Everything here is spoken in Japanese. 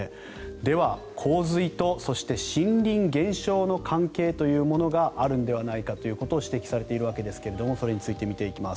では、洪水とそして森林減少の関係というものがあるのではないかということが指摘されているわけですがそれについて見ていきます。